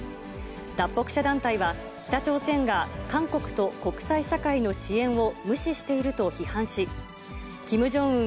脱北者団体は、北朝鮮が韓国と国際社会の支援を無視していると批判し、キム・ジョンウン